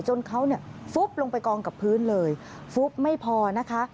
จนเขาเนี่ยฟุบลงไปกองกับพื้นเลยฟุบไม่พอนะคะ